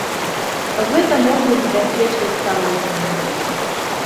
Гэта можна забяспечваць па-рознаму.